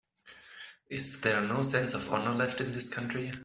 Is there no sense of honor left in this country?